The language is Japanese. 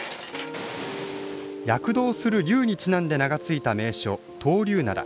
躍動する竜にちなんで名がついた名所、闘竜灘。